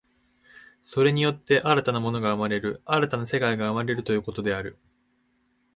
それによって新たな物が生まれる、新たな世界が生まれるということである。